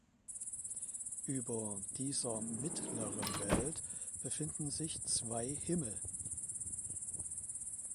Über dieser mittleren Welt befinden sich zwei Himmel.